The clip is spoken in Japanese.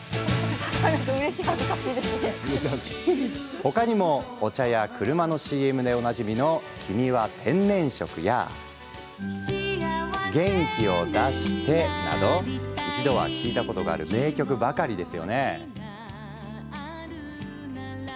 他にも、お茶や車のＣＭでおなじみの「君は天然色」や「元気を出して」など一度は聴いたことがある名曲ばかりですよね。